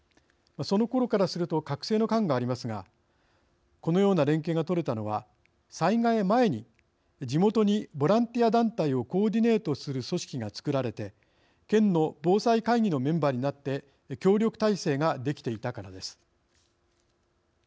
そのころからすると隔世の感がありますがこのような連携が取れたのは災害前に地元にボランティア団体をコーディネートする組織が作られて県の防災会議のメンバーになって協力態勢ができていたからです。